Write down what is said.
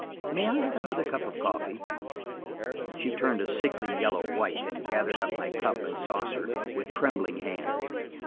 May I have another cup of coffee?" She turned a sickly yellow white, and gathered up my cup and saucer with trembling hands.